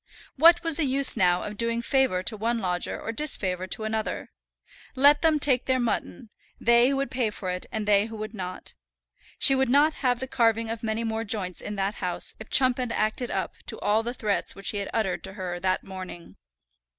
What was the use now of doing favour to one lodger or disfavour to another? Let them take their mutton, they who would pay for it and they who would not. She would not have the carving of many more joints in that house if Chumpend acted up to all the threats which he had uttered to her that morning.